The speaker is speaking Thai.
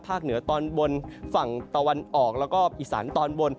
เหนือตอนบนฝั่งตะวันออกแล้วก็อีสานตอนบน